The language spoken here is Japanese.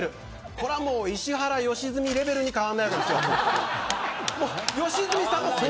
これは石原良純レベルに変わらないです。